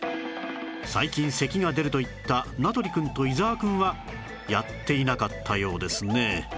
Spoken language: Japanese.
最近咳が出ると言った名取くんと伊沢くんはやっていなかったようですね